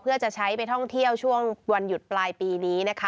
เพื่อจะใช้ไปท่องเที่ยวช่วงวันหยุดปลายปีนี้นะคะ